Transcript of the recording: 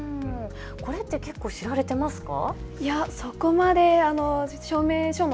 これって結構知られていますか？